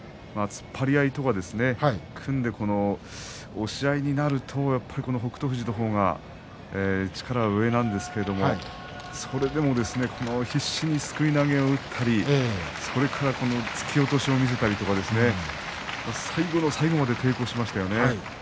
突っ張り合いとか組んで押し合いになるとやっぱり北勝富士の方が力は上なんですけど、それでも必死にすくい投げを打ったりそれから突き落としを見せたりとか最後の最後まで抵抗しましたよね。